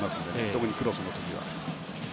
特にクロスの時は。